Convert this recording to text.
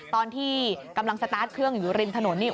ตอนที่กำลังสตาร์ทเครื่องอยู่ริมถนนนี่